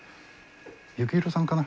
幸宏さんかな？